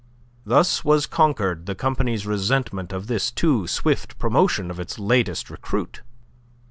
Thus was conquered the company's resentment of this too swift promotion of its latest recruit.